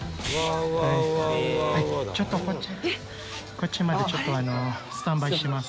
こっちまでちょっとスタンバイします。